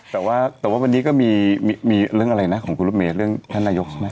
แต่ว่าแต่ว่าวันนี้ก็มีเรื่องอะไรนะของคุณรถเมย์เรื่องท่านนายกใช่ไหม